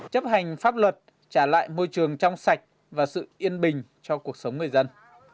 chấp hành pháp luật trả lại môi trường trong sạch và sự yên bình cho cuộc sống người dân